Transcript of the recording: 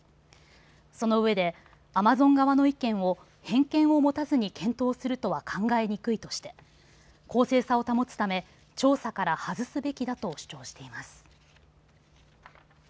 そのうえでアマゾン側の意見を偏見を持たずに検討するとは考えにくいとして公正さを保つため調査から外すべきだと主張しています。